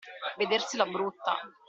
Vedersela brutta.